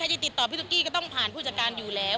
จะติดต่อพี่ตุ๊กกี้ก็ต้องผ่านผู้จัดการอยู่แล้ว